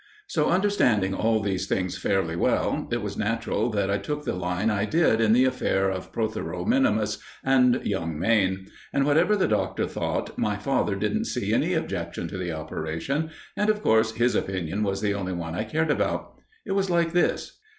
So, understanding all these things fairly well, it was natural that I took the line I did in the affair of Protheroe minimus and young Mayne. And, whatever the Doctor thought, my father didn't see any objection to the operation; and, of course, his opinion was the only one I cared about. It was like this.